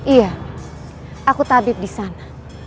iya aku tabib disana